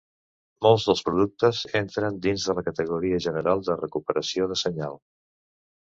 Molts dels productes entren dins de la categoria general de "recuperació de senyal".